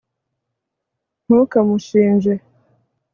Ntukamushinje